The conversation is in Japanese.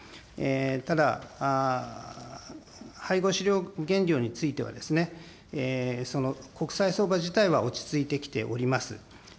ただ、配合飼料原料については、国際相場自体は落ち着いてきております。